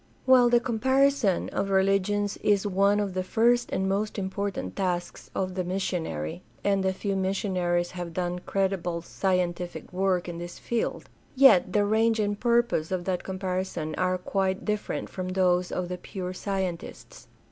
While the comparison of religions is one of the first and most important tasks of the missionary (and a few mis sionaries have done creditable scientific work in this field), yet the range and purpose of that comparison are quite different from those of the pure scientists.